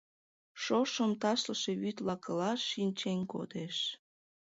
Шошым ташлыше вӱд лакылаш шинчен кодеш.